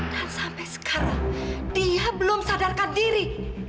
dan sampai sekarang dia belum sadarkan diri